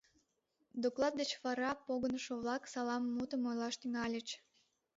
Доклад деч вара погынышо-влак салам мутым ойлаш тӱҥальыч.